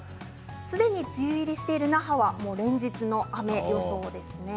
すでに梅雨入りしている那覇は連日の雨予想です。